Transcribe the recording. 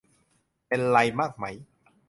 เป็นไรมากไหม